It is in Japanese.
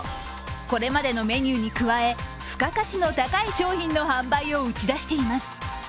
これまでのメニューに加え付加価値の高い商品の販売を打ち出しています。